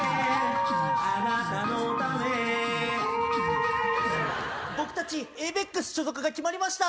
あなたのため僕たちエイベックス所属が決まりました。